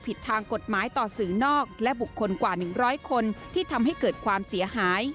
พระเย็นคนที่ทำให้เกิดความเสียหาย